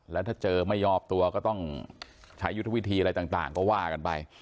แล้วถ้าเจอไม่มอบตัวก็ต้องใช้ยุทธวิธีอะไรต่างก็ว่ากันไป